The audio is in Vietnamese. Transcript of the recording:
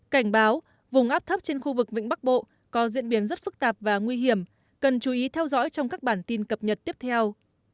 cảnh báo vùng áp thấp trên khu vực vĩnh bắc bộ có diễn biến rất phức tạp và nguy hiểm cần chú ý theo dõi trong các bản tin cập nhật tiếp theo